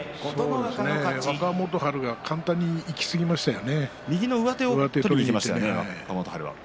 若元春が簡単にいきすぎましたね